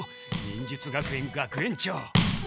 忍術学園学園長。